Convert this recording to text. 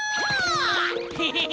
ヘヘヘ！